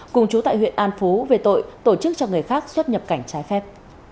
cùng chú tại huyện an phú về tội tổ chức cho người khác xuất nhập cảnh trái phép